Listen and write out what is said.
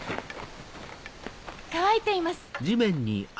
乾いています。